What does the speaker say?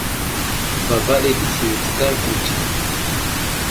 Baba ɗi təsli wutskar kərdziŋ.